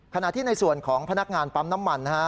ขณะที่ในส่วนของพนักงานปั๊มน้ำมันนะฮะ